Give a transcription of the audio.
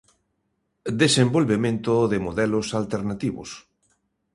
Desenvolvemento de modelos alternativos.